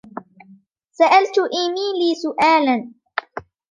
سألت إيميلي سؤالاً.